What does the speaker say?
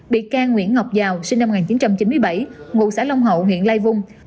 bị can nguyễn ngọc giàu sinh năm một nghìn chín trăm chín mươi bảy ngụ xã long hậu huyện lai vung